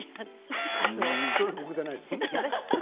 それは僕じゃないです。